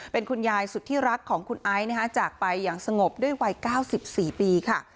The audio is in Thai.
เป็นคุณยายสุดที่รักของคุณไอซ์จากไปอย่างสงบด้วยวัย๙๔ปีค่ะ